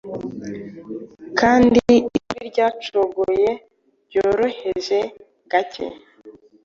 Kandi ijwi ryacogoye byoroheje gake;